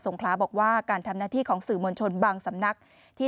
งคลาบอกว่าการทำหน้าที่ของสื่อมวลชนบางสำนักที่